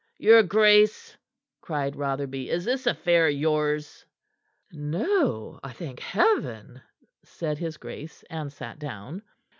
"Your grace," cried Rotherby, "is this affair yours?" "No, I thank Heaven!" said his grace, and sat down.